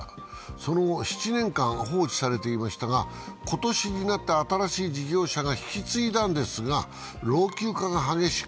その後、７年間放置されていましたが、今年になって新しい事業者が引き継いだんですが、老朽化が激しく